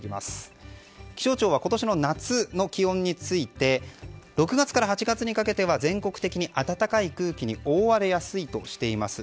気象庁は今年の夏の気温について６月から８月にかけては全国的に暖かい空気に覆われやすいとしています。